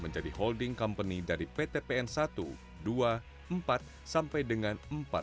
menjadi holding company dari pt pn satu dua empat sampai dengan empat